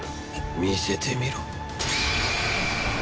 見せてみろ。